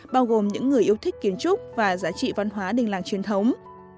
bao gồm những người yêu thích kiến trúc và giá trị văn hóa đình làng truyền thống